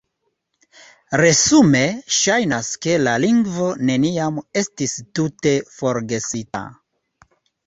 Resume, ŝajnas, ke la lingvo neniam estis tute forgesita.